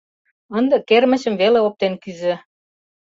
Ынде кермычым веле оптен кӱзӧ.